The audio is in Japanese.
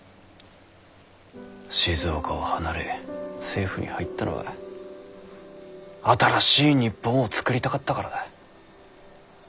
静岡を離れ政府に入ったのは新しい日本を作りたかったからだ。